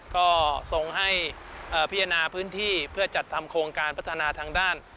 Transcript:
ก็ส่งให้พิจารณาพื้นที่เพื่อจัดทำโครงการพัฒนาทางด้าน